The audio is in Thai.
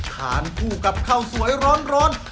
ทานผู้กับข้าวสวยร้อนร้อน